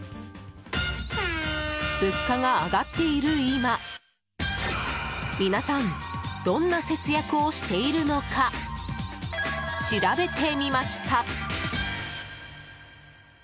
物価が上がっている今皆さんどんな節約をしているのか調べてみました。